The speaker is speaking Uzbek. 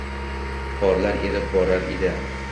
Qorlar erib borar edi.